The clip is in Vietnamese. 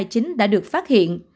các chủng nữ đã được phát hiện